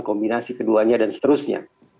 kombinasi keduanya dan seterusnya